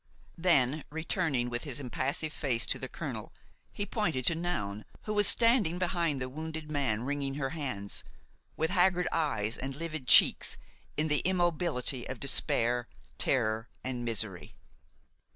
Then, returning with his impassive face to the colonel, he pointed to Noun, who was standing behind the wounded man, wringing her hands, with haggard eyes and livid cheeks, in the immobility of despair, terror and misery.